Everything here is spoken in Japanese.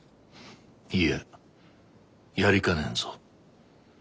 いややりかねんぞ。